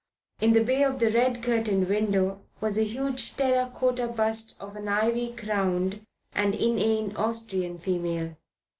In the bay of the red curtained window was a huge terra cotta bust of an ivy crowned and inane Austrian female.